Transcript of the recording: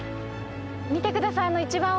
見て下さいあの一番奥！